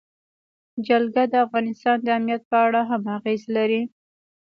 جلګه د افغانستان د امنیت په اړه هم اغېز لري.